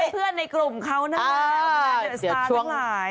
ก็เป็นเพื่อนในกลุ่มเขานะเมื่อเรากำลังเดินสตาร์ททั้งหลาย